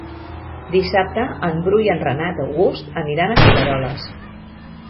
Dissabte en Bru i en Renat August aniran a Figueroles.